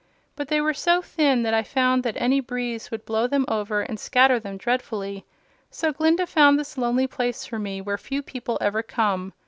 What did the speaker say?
But they were so thin that I found that any breeze would blow them over and scatter them dreadfully; so Glinda found this lonely place for me, where few people ever come.